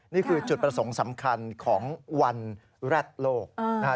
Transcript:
นี่คือจุดประสงค์สำคัญของวันแร็ดโลกนะครับ